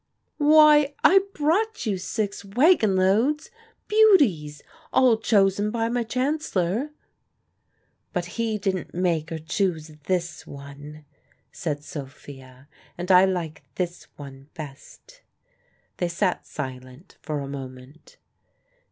"Why, I brought you six waggon loads! beauties all chosen by my Chancellor." "But he didn't make or choose this one," said Sophia, "and I like this one best." They sat silent for a moment.